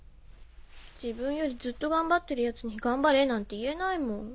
自分よりずっと頑張ってる奴に頑張れなんて言えないもん。